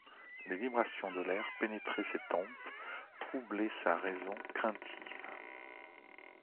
Les vibrations de l'air pénétraient ses tempes, troublaient sa raison craintive.